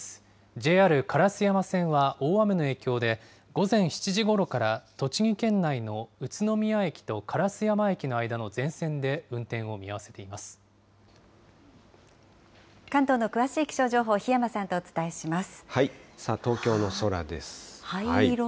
ＪＲ烏山線は、大雨の影響で、午前７時ごろから栃木県内の宇都宮駅と烏山駅の全線で運転を見合関東の詳しい気象情報、檜山東京の空です。